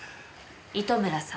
糸村さん。